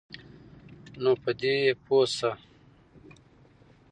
نو په دی پوهه شه